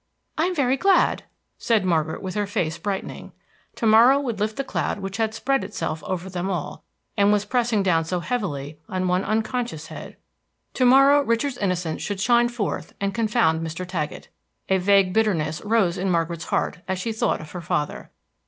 "I am very glad," said Margaret, with her face brightening. To morrow would lift the cloud which had spread itself over them all, and was pressing down so heavily on one unconscious head. To morrow Richard's innocence should shine forth and confound Mr. Taggett. A vague bitterness rose in Margaret's heart as she thought of her father.